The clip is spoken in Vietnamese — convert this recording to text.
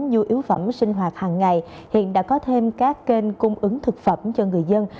nhu yếu phẩm sinh hoạt hàng ngày hiện đã có thêm các kênh cung ứng thực phẩm cho người dân